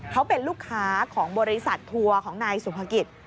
เขาเป็นลูกค้าของบริษัททัวร์ของนายสุภกิจ